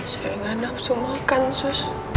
saya enggak nafsu makan sus